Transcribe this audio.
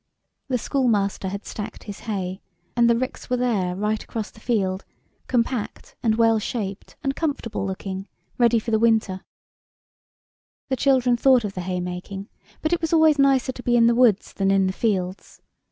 The schoolmaster had stacked his hay, and the ricks were there right across the field, compact and well shaped and com fortable looking, ready for the winter ; the children thought of the haymaking, but it was always nicer to be in the woods than in the fields.